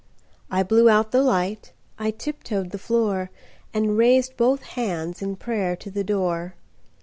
I blew out the light,I tip toed the floor, And raised both handsIn prayer to the door.